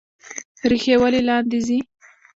ریښې ولې لاندې ځي؟